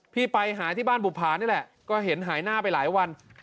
พี่ไปหาที่บ้านบุภานี่แหละก็เห็นหายหน้าไปหลายวัน